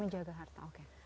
menjaga harta kita